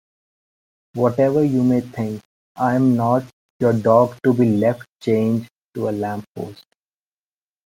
Whatever you may think I'm not your dog to be left chained to a lamppost.